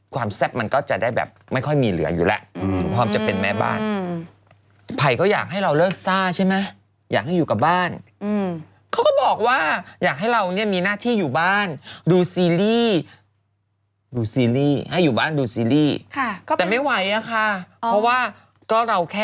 คนดูเยอะมากค่ะมันสิโย